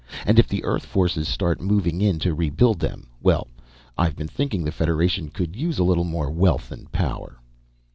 And if the Earth forces start moving in to rebuild them well, I've been thinking the Federation could use a little more wealth and power!"